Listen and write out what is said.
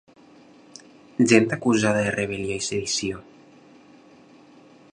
Gent acusada de rebel·lió i sedició.